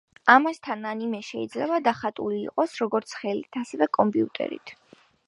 ამასთან ანიმე შეიძლება დახატული იყოს, როგორც ხელით, ასევე კომპიუტერით.